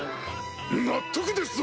納得ですぞ！